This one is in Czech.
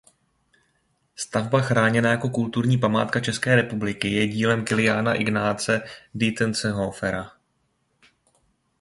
Stavba chráněná jako kulturní památka České republiky je dílem Kiliána Ignáce Dientzenhofera.